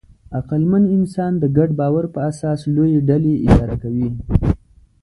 عقلمن انسان د ګډ باور په اساس لویې ډلې اداره کوي.